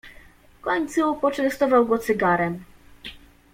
"W końcu poczęstował go cygarem."